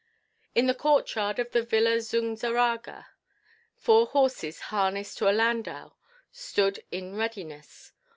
In the court yard of the Villa Zunzarraga four horses harnessed to a landau stood in readiness.